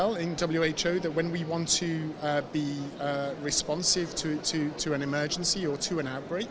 kita harus bertanggung jawab untuk mencari penyakit atau penyakit